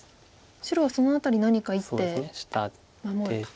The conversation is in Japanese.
白はその辺り何か１手守ると。